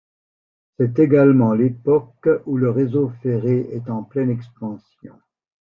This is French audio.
C’est également l’époque où le réseau ferré est en pleine expansion.